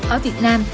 ở việt nam